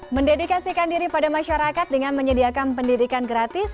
mendedikasikan diri pada masyarakat dengan menyediakan pendidikan gratis